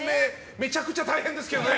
めちゃくちゃ大変ですけどね。